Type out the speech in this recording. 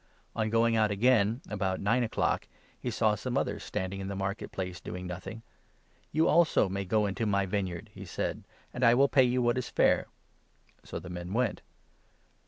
On going out 3 vineyard. aga;n( about nine o'clock, he saw some others standing in the market place, doing nothing. ' You also may 4 go into my vineyard,' he said, 'and I will pay you what is fair.' So the men went.